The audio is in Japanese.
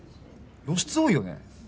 露出多いよね。